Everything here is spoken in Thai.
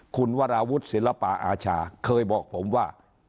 คุณวราวุฒิศิลปะอาชาเคยบอกผมว่า